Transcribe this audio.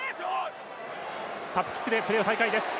タップキックでプレーを再開です。